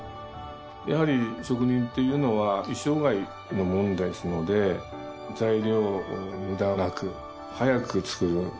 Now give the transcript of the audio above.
やはり職人というのは一生涯のものですので材料を無駄なく早く作る。